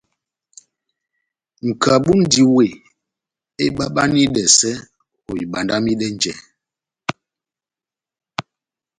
Nʼkabu múndi wéh ebabanidɛsɛ ohibandamidɛnjɛ.